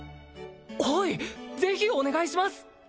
はいぜひお願いします！